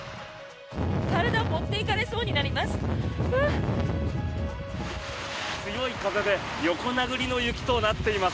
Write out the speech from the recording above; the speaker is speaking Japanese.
体が持っていかれそうになります。